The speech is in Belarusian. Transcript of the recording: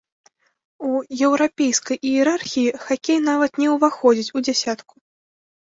У еўрапейскай іерархіі хакей нават не ўваходзіць у дзясятку.